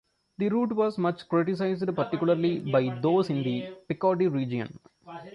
The route was much criticised, particularly by those in the Picardy region.